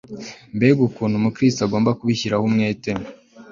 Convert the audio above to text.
mbega ukuntu Umukristo agomba kubishyiraho umwete